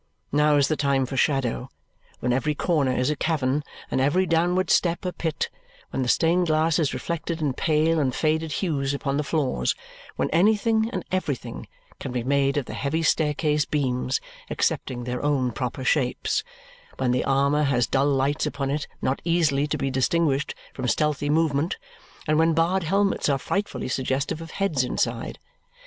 Now is the time for shadow, when every corner is a cavern and every downward step a pit, when the stained glass is reflected in pale and faded hues upon the floors, when anything and everything can be made of the heavy staircase beams excepting their own proper shapes, when the armour has dull lights upon it not easily to be distinguished from stealthy movement, and when barred helmets are frightfully suggestive of heads inside.